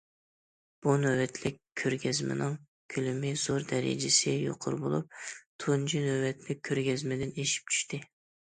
بۇ نۆۋەتلىك كۆرگەزمىنىڭ كۆلىمى زور، دەرىجىسى يۇقىرى بولۇپ، تۇنجى نۆۋەتلىك كۆرگەزمىدىن ئېشىپ چۈشتى.